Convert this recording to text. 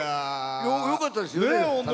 よかったですよ。